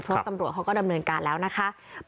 เพราะตำรวจเขาก็ดำเนินการแล้วนะคะ